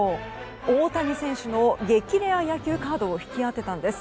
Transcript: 大谷選手の激レア野球カードを引き当てたんです。